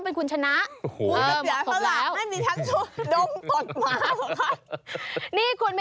นอกเห็นไหม